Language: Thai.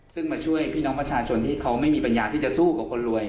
ซึ่งมาช่วยพี่น้องประชาชนที่เขาไม่มีปัญญาที่จะสู้กับคนรวย